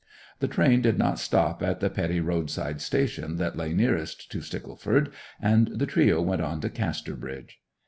The train did not stop at the petty roadside station that lay nearest to Stickleford, and the trio went on to Casterbridge.